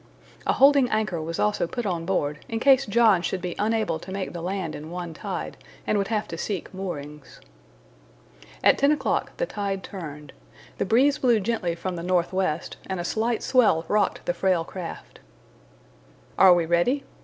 A holding anchor was also put on board in case John should be unable to make the land in one tide, and would have to seek moorings. At ten o'clock the tide turned. The breeze blew gently from the northwest, and a slight swell rocked the frail craft. "Are we ready?"